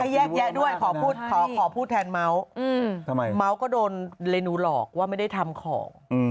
แย่งไปด้วยขอบูรณ์ขอบูรณ์แทนเกู้งจะมากกว่าโดนเรนดุหรอกว่าไม่ได้ทำของ